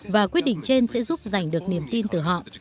và quyết định trên sẽ giúp giành được niềm tin từ họ